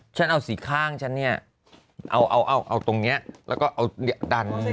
ฉันเอาสีข้างฉันเนี้ยเอาเอาเอาเอาตรงเนี้ยแล้วก็เอาดันดัน